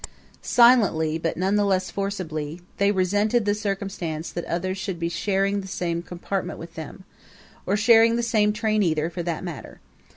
Silently, but none the less forcibly, they resented the circumstance that others should be sharing the same compartment with them or sharing the same train, either, for that matter.